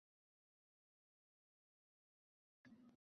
Nima deb boradi